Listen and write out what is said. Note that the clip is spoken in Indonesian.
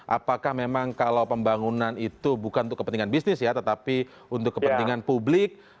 apakah memang kalau pembangunan itu bukan untuk kepentingan bisnis ya tetapi untuk kepentingan publik